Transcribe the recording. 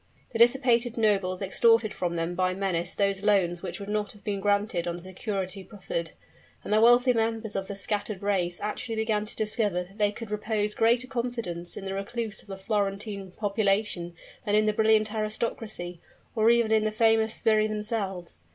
The dissipated nobles extorted from them by menace those loans which would not have been granted on the security proffered; and the wealthy members of the "scattered race" actually began to discover that they could repose greater confidence in the refuse of the Florentine population than in the brilliant aristocracy, or even in the famous sbirri themselves.